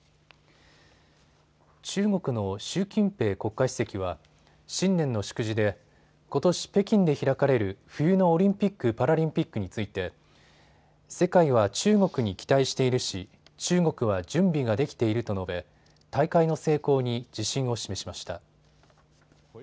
中国の習近平国家主席は新年の祝辞でことし北京で開かれる冬のオリンピック・パラリンピックについて世界は中国に期待しているし中国は準備ができていると述べ大会の成功に自信を示しました。